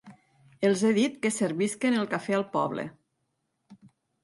Els he dit que servisquen el café al poble.